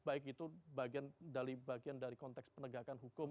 baik itu bagian dari konteks penegakan hukum